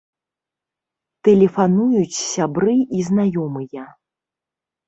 Тэлефануюць сябры і знаёмыя.